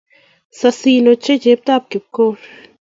Sasin ochei cheptab Kipkori